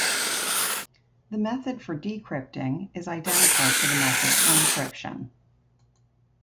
The method for decrypting is identical to the method for encryption.